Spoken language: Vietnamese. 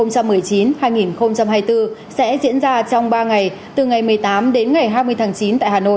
sẽ diễn ra trong ba ngày từ ngày một mươi tám đến ngày hai mươi tháng chín tại hà nội